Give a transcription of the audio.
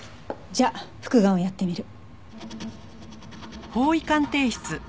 じゃあ復顔をやってみる。